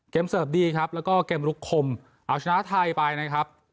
เสิร์ฟดีครับแล้วก็เกมลุกคมเอาชนะไทยไปนะครับ